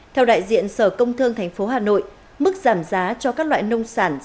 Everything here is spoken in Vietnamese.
theo đại diện sở công thương thành phố hà nội mức giảm giá cho các loại nông sản